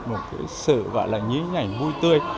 một cái sự gọi là nhí nhảy vui tươi